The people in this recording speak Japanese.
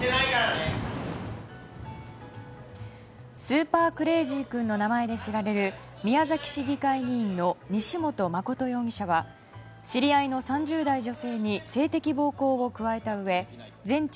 スーパークレイジー君の名前で知られる宮崎市議会議員の西本誠容疑者は知り合いの３０代女性に性的暴行を加えたうえ全治